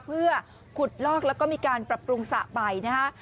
เพื่อขุดลอกแล้วก็มีการปรับปรุงสระไปนะฮะ